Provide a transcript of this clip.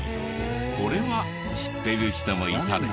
これは知ってる人もいたでしょ？